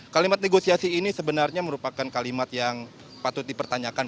kalimat negosiasi ini sebenarnya merupakan kalimat yang patut dipertanyakan